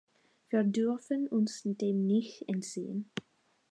Wir dürfen uns dem nicht entziehen.